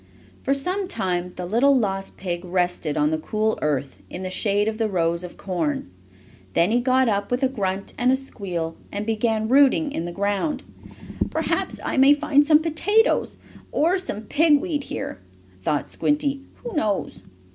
For some time the little lost pig rested on the cool earth, in the shade of the rows of corn. Then he got up with a grunt and a squeal, and began rooting in the ground. "Perhaps I may find some potatoes, or some pig weed, here," thought Squinty. "Who knows?"